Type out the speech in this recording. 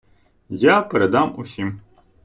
Я передам усім.